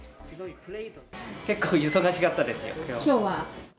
結構忙しかったですよ、きょうは？